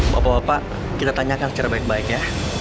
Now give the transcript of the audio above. bapak bapak kita tanyakan secara baik baik ya